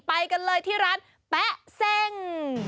ไปกันเลยที่ร้านแป๊ะเซ่ง